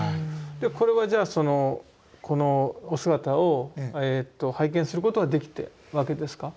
これはじゃあこのお姿を拝見することはできたわけですか？